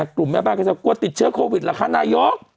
กลุ่มแม่บ้านก็จะกลัวติดเชื้อโควิดล่ะคะนายก